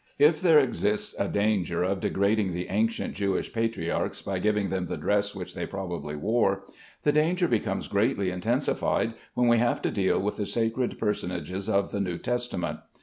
If there exists a danger of degrading the ancient Jewish patriarchs by giving them the dress which they probably wore, the danger becomes greatly intensified when we have to deal with the sacred personages of the New Testament.